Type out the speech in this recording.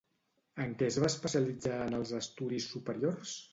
En què es va especialitzar en els estudis superiors?